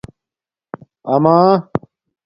آمݳ